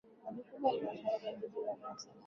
Majukumu ya Halmashauri ya Jiji la Dar es Salaam